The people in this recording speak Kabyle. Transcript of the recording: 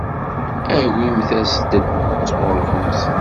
Awimt-as-d ddwa sɣur-kemt.